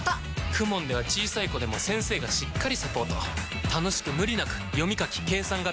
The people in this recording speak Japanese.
ＫＵＭＯＮ では小さい子でも先生がしっかりサポート楽しく無理なく読み書き計算が身につきます！